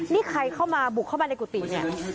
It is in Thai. นี่ใครเข้ามาบุกเข้ามาในกุฏิเนี่ย